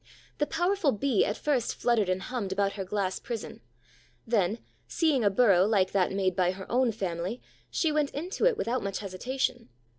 The powerful Bee at first fluttered and hummed about her glass prison; then, seeing a burrow like that made by her own family, she went into it without much hesitation.